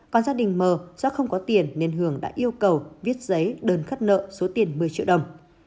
còn gia đình mờ do không có tiền nên hường đã yêu cầu viết giấy đơn khất nợ số tiền một mươi triệu đồng